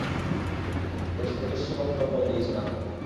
বেশ তেজস্বী বক্তব্য দিয়েছেন আপনি!